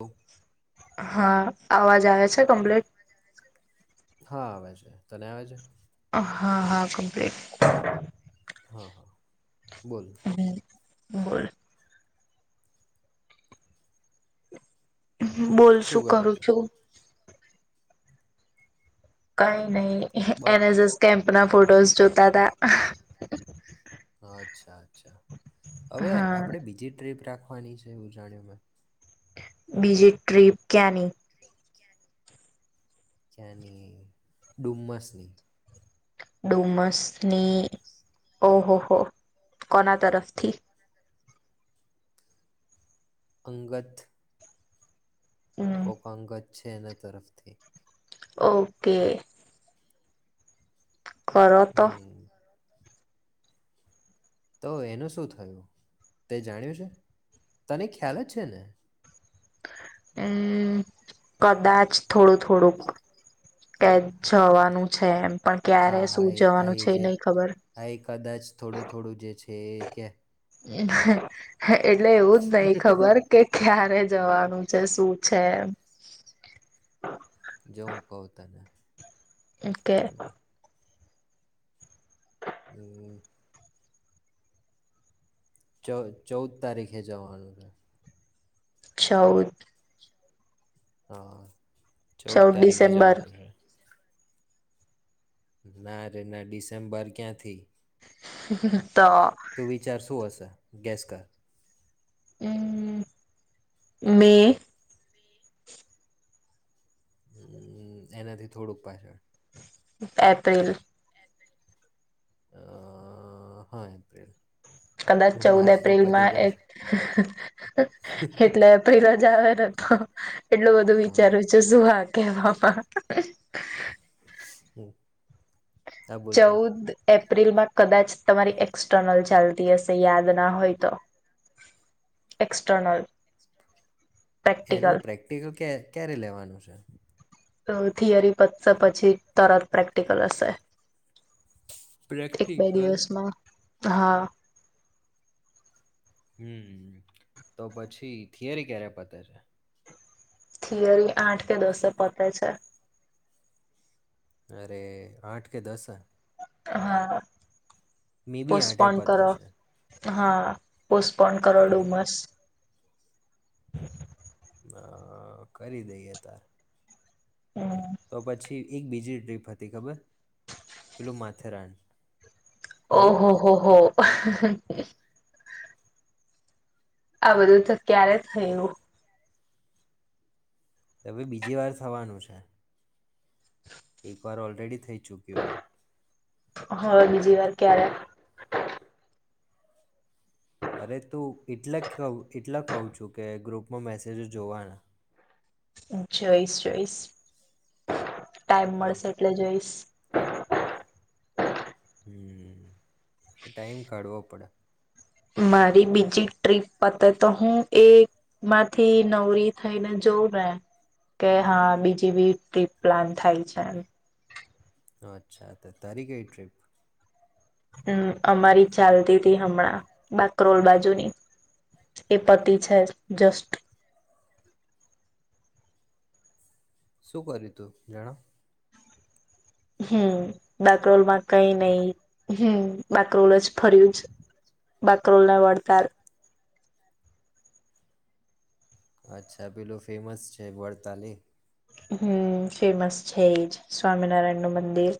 તો હા અવાજ આવે છે કમ્પ્લીટ? હા આવે છે તને આવે છે? હા હા કમ્પ્લીટ. હા હા બોલો. હમ બોલ. બોલ શું કરે કરું છે છું? કઈ નહી. બ એન એસ એસ કેમ્પ આપણા ફોટોસ જોતા તા. હ [unintelligible] અચ્છા. અચ્છા હવે હા આપણે બીજી ટ્રીપ રાખ હની છે ઉજણીમાં. બીજી ટ્રીપ ક્યાંની? બહુ મસ્ત ડુમસની ઓહો હો કોના તરફથી અંગત હમ અંગત પછી એના તરફથી ઓકે. કરો તો હમ તો એનું શું થયું? તે જાણ્યું છે? તને ખ્યાલ જ છે ને? હમ, કદાચ. થોડું થોડુંક કે હા એ- જવાનું છે એમ પણ ક્યારે હા શું હા એ આ જવાનું એ છે જે નહી ખબર ઠીક. હમ. એટલે એવું જ નહી ખબર કે ક્યારે જવાનું છે. શું છે એમ. જો હું કહું તને ઓકે. હમ. ચૌ ચૌદ તારીખે જવાનું છે ચૌદ [inaudible] ચૌદ તારીખે જવાનું છે. ના રે ના, ડિસેમ્બર ક્યાંથી? [inaudible] તું વિચાર શું હશે? ગેસ કર. અમ્મ, મે? અમ્મ, એનાથી થોડુંક પાછળ. એપ્રિલ? અહ હા એપ્રિલ. કદાચ ચૌદ માર્ચ તો પતી એપ્રિલમાં ગયો છે એટ, એટલે એપ્રિલ જ આવેને તો, એટલું બધું હા વિચારું છું શું [unintelligible] કે બાપા. [inaudible] બોલ ચૌદ એપ પ્રિલમાં કદાચ તમારી એક્સટર્નલ ચાલતી હશે યાદ ના હોય તો, એક્સટર્નલ પ્રેક્ટિકલ એનું પ્રેક્ટિકલ કે ક્યારે લેવાનું છે? અહ થિયરી પતશે પછી તરત પ્રેક્ટિકલ હશે. એક બે પ્રેક્ટિકલ દિવસમાં. હા હમ તો પછી થિયરી ક્યારે પતે છે થિયરી આઠ કે દસે પતે છે અરે આઠ કે દસ જ હા મે બી આઠે પોસ્ટપોન પતે કરો છે હા પો કોણ કરોડ હમ ડુમસ અ કરી દઈએ તાર હમ તો પછી એક બીજી ટ્રીપ હતી ખબર પેલું માથેરાન ખબર ઓહો હો હો [inaudible] આ બધું તો ક્યારે થયું હવે બીજી વાર થવાનું છે એક વાર ઓલરેડી થઈ ચુક્યું છે હવે બીજી વાર ક્યારે અરે તુ એટલે કહું એટલા કહું છું કે ગ્રુપમાં મેસેજો જોવાના જોઈશ જોઈસ ટાઈમ હા મળશે એટલે જોઈશ હમ એ ટાઈમ કાઢવો પડે મારી બીજી ટ્રીપ પતે તો હું એમાંથી નવરી થઈને જોઉં ને કે હા બીજી બી ટ્રીપ પ્લાન થાય છે એમ અચ્છા તારી કઈ ટ્રીપ હમ અમારી ચાલતી હતી હમણાં બાકરોલ બાજુની એ પતિ છે જસ્ટ શું કર્યું તું જણાવ હમ બાકરોલમાં કઈ નહી હમ બાકરોલ જ ફર્યું જ બાકરોલને વળતાર અચ્છા પેલું ફેમસ છે વરતાલી હમ ફેમસ છે એજ સ્વામિનારાયણનું મંદિર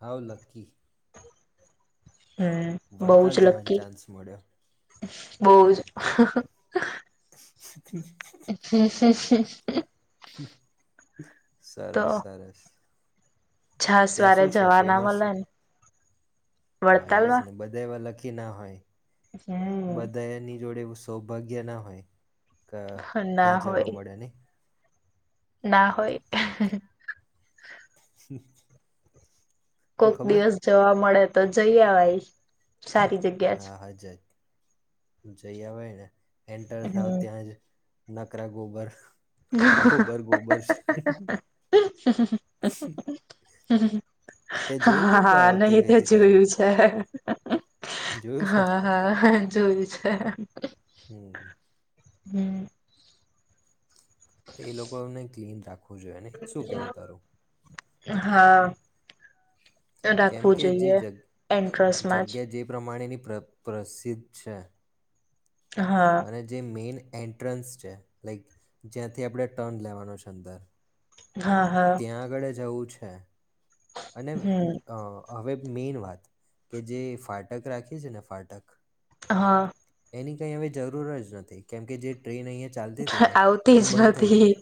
હાઉ લકી હમ બઉ જ વડતાલ જવાનો લક્કી ચાન્સ મળ્યો બહ જ [inaudible] [unintelligible] [inaudible] તો સરસ સરસ છાસ ત્યાં વારે શું છે જવાના ફેમસ મળે હા એજ વડતાલમાં ને બધા એવા લ ક્કીના હોય હમ બધા એની જોડે સૌભાગ્ય ના હોય ક ના ત્યાં જવા હોય મળે નહિં? ના હોય. [inaudible] પણ કોક ખબર દિવસ જવા મળે તો જઈ આવાય સારી જગ્યા જ. હા હા જઈ આવાય ને. એન્ટર થાવ હમ ત્યાં જ નકરા ગોબર ગોબર-ગોબર છે. તે [inaudible] જોયું હા, તું ને તો હા, આ વખતે નહીં ગઈ તે હતી તારે જોયું છે. જોયું [inaudible] છે હા, ને? હા. જોયું છે. હમ્મ. હમ્મ. એ લોકો ને ક્લીન રાખવું જોઈએ, નહીં? શું કેવું તારું? હા. કેમ રાખવું કે જે જોઈએ જગ એન્ટ્રસમાં જ. જગ્યા જે પ્રમાણેની પ્ર પ્રસિદ્ધ છે. હા અને જે મેન એન્ટ્રન્સ છે લાઈક જ્યાંથી આપણે ટર્ન લેવાનો છે અંદર હા હા ત્યાં આગળ જવું પૂ છે. અને હમ અ હવે મેન વાત કે જે ફાટક રાખી છે ને ફાટક હા. એની કંઈ હવે જરૂર જ નથી કેમ કે જે ટ્રેન અહીંયા ચાલતી હતી ને એ આવતી જ બંધ થઈ ગઈ નથી છે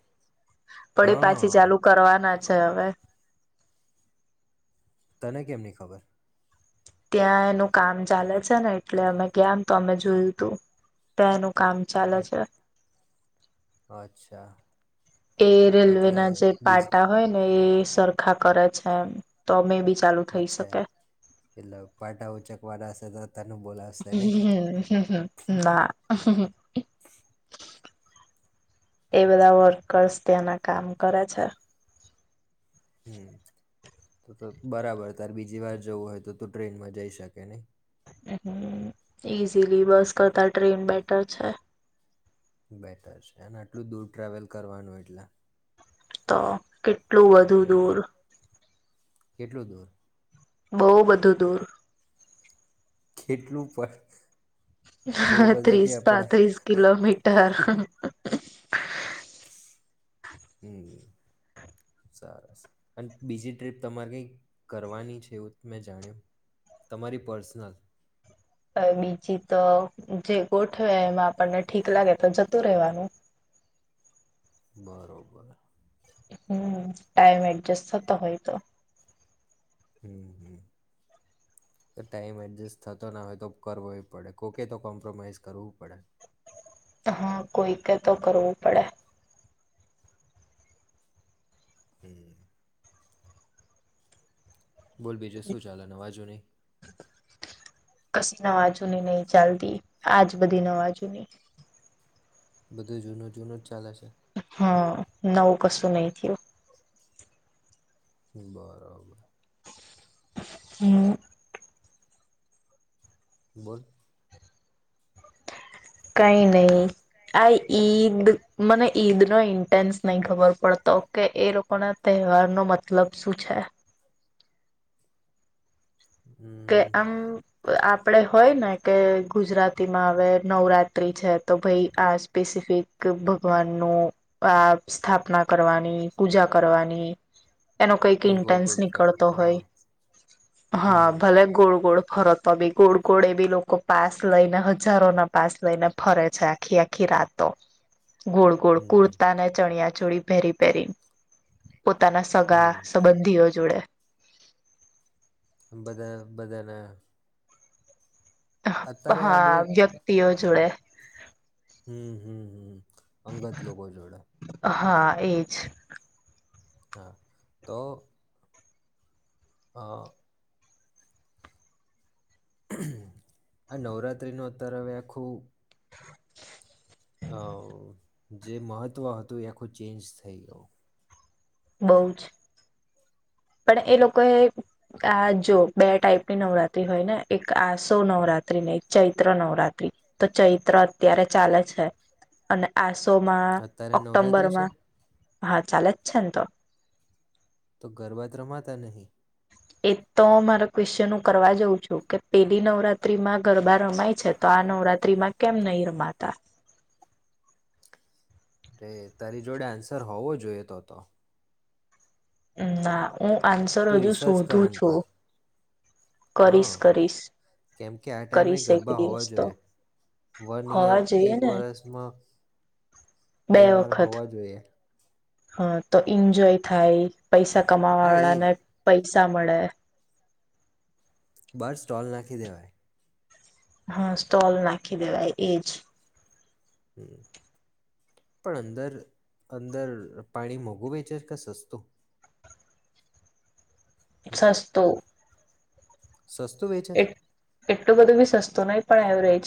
પણ એ પાછી હા ચાલુ કરવાના છે હવે તને કેમની ખબર ત્યાં એનું કામ ચાલે છે ને એટલે અમે ગયામ તો અમે જોયું તું ત્યાં એનું કામ ચાલે અ- છે. અચ્છા એ રેલવે એટલે ના જે બીજ પાટા હોય ને એ સરખા કરે છેમ તો અમે બી ચાલુ થઈ અચ્છા શકે એટલે પાટા ઉચક વાળા ત હ ના [unintelligible] એ બધા વર્કર્સ ત્યાંના કામ કરે છે હમ બરાબર તારે બીજી વાર જવું હોય તો તું ટ્રેનમાં જઈ શકે નય હ ઈઝીલી બસ નહી કરતા ટ્રેન બેઠ ્ટર છે બેટર છે અને આટલું દૂર ટ્રાવેલ કરવાનું એટલે તો કેટ એટલું વધુ દૂર કેટલોું દૂર [inaudible] બહુ બધું દૂર કેટલું પણ બહુ હ ત્રીસ બધાથી આપણે પાંત્રીસ કિલોમીટર હમ સરસ અને બીજી ટ્રીપ તમારે કઈ કરવાની છે એવું મેં જાણ્યું તમારી પર્સનલ હ બીજી તો જે ગોઠવે એમાં આપણને ઠીક લાગે તો જતું રહેેવાનું બરોબર [inaudible] હમ ટાઈમ એડજસ્ટ થ તો હોય તો હમ હમ ટાઈમ એડજસ્ટ થતો ના હોય તો કરવો પડે કોકે તો કોમ્પ્રોમાઈઝ કરવું પડે હા કોઈ કે તો કરવું પડે હમ [inaudible] બોલ બીજું શું ચાલે નવા જુની નવાજુની નહીિ ચાલતી આજ બધી નવાજુની બધું જૂનો જૂનો જ ચાલે છે હા નવું કશું નહી થયું બરાબર [inaudible] હમ બોલ કઈ નહી આ ઈદ મને ઈદ નો ઇન્ટેન્સ નહી ખબર પડતો કે એ લોકો ના તહેવાર નો મતલબ શું છે કે આમ હમ આપડે હોય ને કે ગુજરાતીમાં હવે નવરાત્ર્રી છે તો ભાઈ આ સ્પેસિફિક ભગવાનનુંું આ સ્થાપના કરવાની પૂજા કરવાની એનો કઈક ગોળ ઇન્ટેન્સ ગોળ ફરો નીકળતો હા હોય હા હમ ગોળ ગોળ ફરતો બી ગોળ ગોળ એ બી લોકો પાસ લઈને હજારો ના પાસ લઈને ફરે છે આખી આખી રાતો ગોળ ગોળ હમ કુર્તા ને ચણ્યા જોડી પહેરી પહેરી ન પોતાના સગા હમ સંબંધીઓ જોડે બદ બદન બહુ હા વ્યક્તિઓ જોયે હમમ હમમ હમમ અંગત લોકો જોડે હા એ જ હા તો હા આ નવરાત્રી નો અતર હવે આખું [inaudible] હવ જે મહત્વ હતું એ આખું ચેન્જ થઈ ગયું. બઉ જ પણ એ લોકો એ આ જો બે ટાઈપની નવરાત્રી હોય ને એક આસો નવરાત્રી ને એક ચૈત્ર નવરાત્રી તો ચૈત્ર અત્યારે ચાલે છે અને આસો સોમાં અત્યારે ઓક્ટોમ્બર નવરાત્રિ છે માં હા ચાલે જ છે ન તો. તો ગરબા ત રમાતા નહીં. એ જ તો મારો ક્વેશ્ચન હું કરવા જાઉં છું કે પેલી નવરાત્રીમાં ગરબા રમાય છે તો આ નવરાત્રીમાં કેમ નહી રમાતા. રે તારી જોડે આન્સર હોવો જોઈએ તો તો અમમ માં તો રિસર્ચ કર આન પર કરીશ હા કરીશ કેમ કે આ ટાઈમે કરીશ એક ગરબા હોવા દિવસ તો જોઈએ વન યર હોવા જોઈએ એક ને વરષમાં બે વાર હોવા જોઈએ. હા તો એન્જોય થાય. પૈસા કમાવા હા એ વાળા ને જ પૈ પૈસા મળે બાર સ્ટોલ નાખી દેવાય. હા સ્ટોલ નાખી દેવાય એજ હમમ પણ અંદર અંદર પાણી મોઘું વેચે ક સસ્તું સસ્તુ સસ્તુ વેચે છ. તું નહી પણ એવરેજ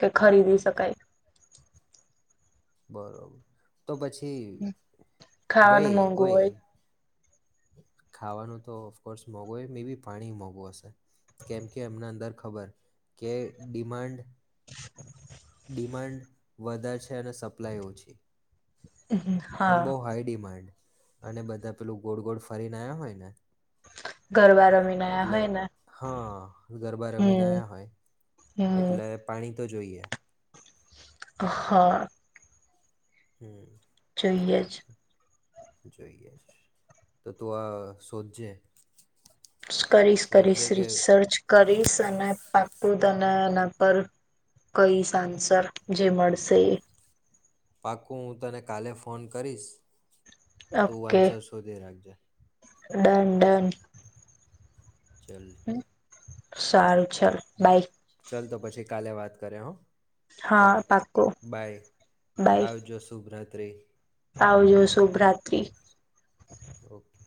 કે ખરીદી શકાય. બરોબર તો પછી ભઇ ખાવાનું મોંઘું હોય ઓય ખાવાનું તો ઓફકોર્સ મોંઘું હોય મે બી પાણી મોંઘું હશે કેમ કે એમના અંદર ખબર કે ડિમાન્ડ [inaudible] ડિમાન્ડ વધારે છે અને સપ્લાય ઓછી હમમ અને હા બહુ હાઈ ડિમાન્ડ અને બધા પેલું ગોળ ગોળ ફરી ને આયા હોય ને ગરબા રમીને આયા એટલે હોય ને હા ગરબા રમીને આયા હમ હોય એટલે હમ પાણી તો જોઈએ. હા અ હમમ જોઈએ છ. જોઈએ છ તો તું આ શોધજે કરીશ કરીશ શોધજે કે રીસર્ચ કરીશ અને પા હું તને એના પર કહીશ આન્સર જે મળશે એ પાક્કું હું તને કાલે ફોન કરીશ. તું ઓકે આન્સર શોધી રાખજે. Done done. ચલ. સારું. ચાલો બાય. ચાલ તો પછી કાલે વાત કરે હો. હા ચાલ પાક્કું બાય બાય આવજો શુભ્રત ત્ત્રી. આવજો શુભ રાત્રિ. ઓકે.